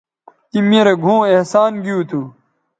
تی می رے گھؤں احسان گیو تھو